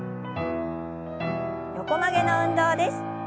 横曲げの運動です。